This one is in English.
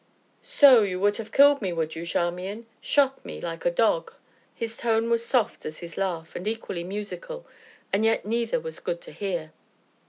"So, you would have killed me, would you, Charmian shot me like a dog?" His tone was soft as his laugh and equally musical, and yet neither was good to hear.